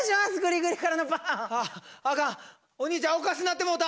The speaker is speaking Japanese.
あああかんお兄ちゃんおかしなってもうた。